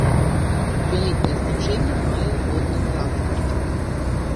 Вялікае значэнне мае водны транспарт.